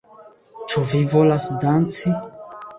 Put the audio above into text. Ĉu vi volas danci?